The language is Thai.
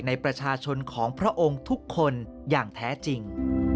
ในประชาชนของพระองค์ทุกคนอย่างแท้จริง